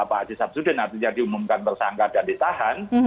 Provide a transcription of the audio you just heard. pak haji sabzudin artinya diumumkan bersangka dan ditahan